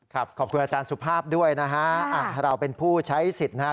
ขอบคุณอาจารย์สุภาพด้วยนะฮะเราเป็นผู้ใช้สิทธิ์นะครับ